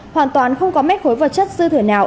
hoàn toàn không có mét khối vật chất dư thừa nào